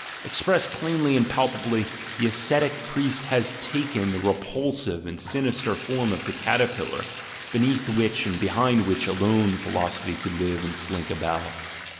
Expressed plainly and palpably, the ascetic priest has taken the repulsive and sinister form of the caterpillar, beneath which and behind which alone philosophy could live and slink about.